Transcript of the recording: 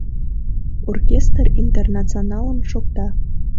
Оркестр Интернационалым шокта.